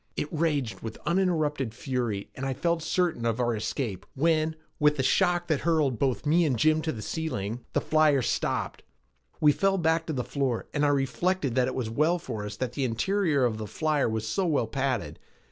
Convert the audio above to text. It raged with uninterrupted fury and I felt certain of our escape when, with a shock which hurled both Jim and me to the ceiling, the flyer stopped. We fell back to the floor and I reflected that it was well for us that the interior of the flyer was so well padded.